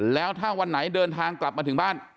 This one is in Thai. แล้วถ้าวันไหนเดินทางกลับมาถึงบ้าน